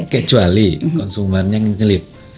kecuali konsumen yang nyelip